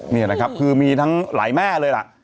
นี่นะครับคือมีทั้งหลายแม่เลยล่ะ